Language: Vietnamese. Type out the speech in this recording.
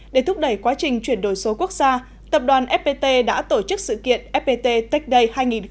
để thúc đẩy quá trình chuyển đổi số quốc gia tập đoàn fpt đã tổ chức sự kiện fpt tech day hai nghìn một mươi chín